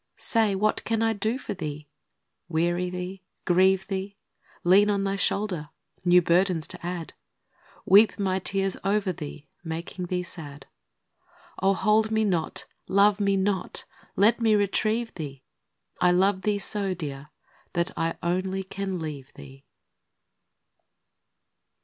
ii. Say, what can I do for thee ?... weary thee ,.. grieve thee ? Lean on thy shoulder ... new burdens to add ?... Weep my tears over thee ... making thee sad? Oh, hold me not — love me not 1 let me retrieve thee ! I love thee so, Dear, that I only can leave thee.